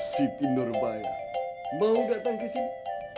siti nurbaya mau datang ke sini